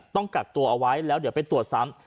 ต้องกักตัวเอาไว้แล้วเดี๋ยวไปตรวจซ้ำ